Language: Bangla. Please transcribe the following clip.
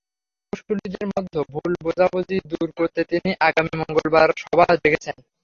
কৌঁসুলিদের মধ্যে ভুল বোঝাবুঝি দূর করতে তিনি আগামী মঙ্গলবার সভা ডেকেছেন।